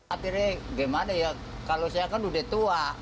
akhirnya gimana ya kalau saya kan udah tua